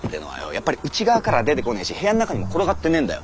やっぱり内側からは出てこねーし部屋の中にも転がってねーんだよ。